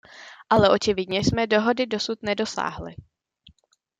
Ale očividně jsme dohody dosud nedosáhli.